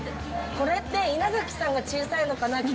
これって稲垣さんが小さいのかな？